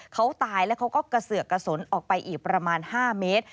เขาตายแล้วเขาก็กระเสือกกระสนออกไปอีกประมาณ๕เมตร